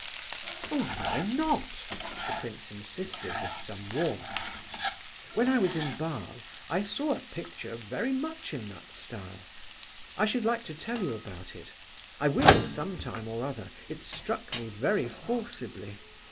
"Oh, why not?" the prince insisted, with some warmth. "When I was in Basle I saw a picture very much in that style—I should like to tell you about it; I will some time or other; it struck me very forcibly."